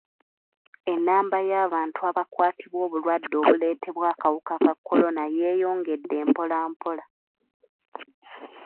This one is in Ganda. Ennamba y'abantu abakwatibwa obulwadde obuleetebwa akawuka ka kolona yeeyongedde mpola mpola.